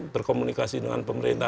berkomunikasi dengan pemerintah